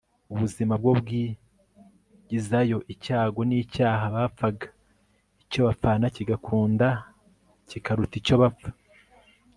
ubuzima, bwo bwigizayo icyago n'icyaha bapfaga. icyo bapfana kigakunda kikaruta icyo bapfa